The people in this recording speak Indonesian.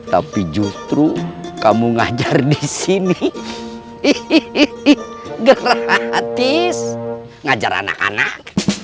tapi justru kamu ngajar di sini gerahatis ngajar anak anak